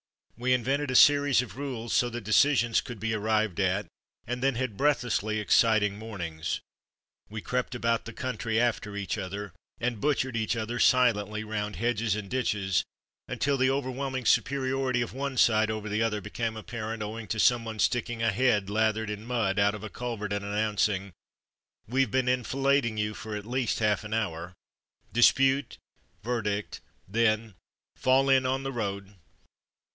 We invented a series of rules so that deci sions could be arrived at, and then had breathlessly exciting mornings. We crept about the country after each other, and butchered each other silently round hedges and ditches, until the overwhelming supe riority of one side over the other became apparent owing to someone sticking a head lathered in mud out of a culvert and an nouncing: "WeVe been enfilading you for at least half an hour." Dispute, verdict, then —" Fall in on the road.